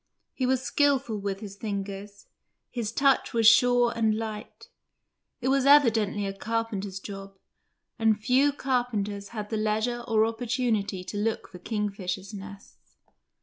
He was skilful with his fingers, his touch was sure and light. It was evidently a carpenter's job, and few carpenters had the leisure or opportunity to look for kingfishers' nests.